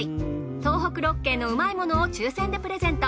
東北６県のうまいものを抽選でプレゼント。